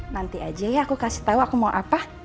nanti aja ya aku kasih tau aku mau apa